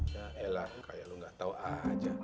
ya elah kayak lu gak tau aja